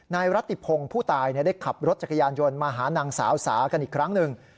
รัติพงศ์ผู้ตายได้ขับรถจักรยานยนต์มาหานางสาวสากันอีกครั้งหนึ่ง